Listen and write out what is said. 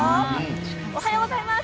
おはようございます。